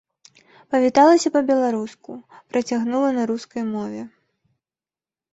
Павіталася па-беларуску, працягнула на рускай мове.